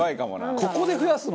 「ここで増やすの？」